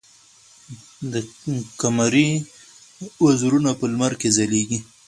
د قمرۍ وزرونه په لمر کې ځلېدل.